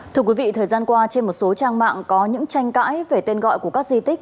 thưa quý vị thời gian qua trên một số trang mạng có những tranh cãi về tên gọi của các di tích